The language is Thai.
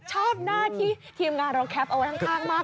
ชอบหน้าที่ทีมงานเราแคปเอาไว้ข้างมาก